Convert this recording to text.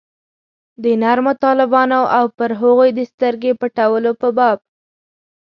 د نرمو طالبانو او پر هغوی د سترګې پټولو په باب.